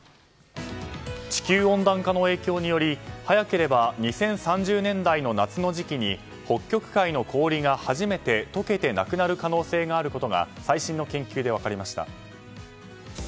地球温暖化の影響により早ければ２０３０年代の夏の時期に北極海の氷が、初めて溶けてなくなる可能性があることが最新の研究で分かりました。